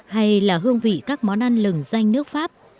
hay là hương vị các món ăn lừng danh nước pháp